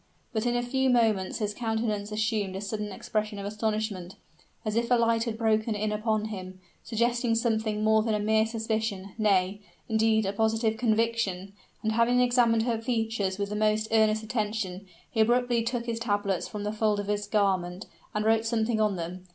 But in a few moments his countenance assumed a sudden expression of astonishment, as if a light had broken in upon him, suggesting something more than a mere suspicion nay, indeed, a positive conviction; and having examined her features with the most earnest attention, he abruptly took his tablets from the folds of his garment, and wrote something on them.